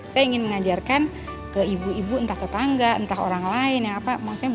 saya ingin mengajarkan ke ibu ibu entah tetangga entah orang lain